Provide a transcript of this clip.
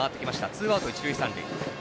ツーアウト、一塁三塁。